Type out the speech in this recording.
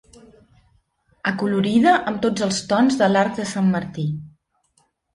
Acolorida amb tots els tons de l'arc de sant Martí.